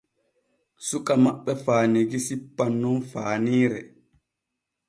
Suka maɓɓe faanigi sippan nun faaniire.